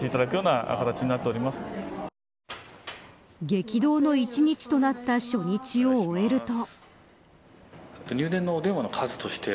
激動の１日となった初日を終えると。